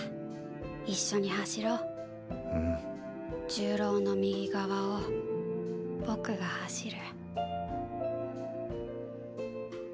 重郎の右側を僕が走る。